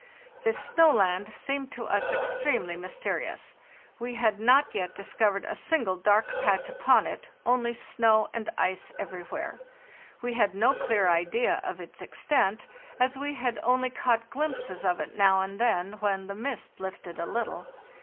This snow land seemed to us extremely mysterious; we had not yet discovered a single dark patch upon it, only snow and ice everywhere. We had no clear idea of its extent, as we had only caught glimpses of it now and then when the mist lifted a little.